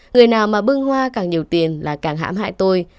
người nào mà bưng hoa càng nhiều tiền là càng hãm hại tôi